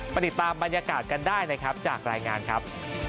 ติดตามบรรยากาศกันได้นะครับจากรายงานครับ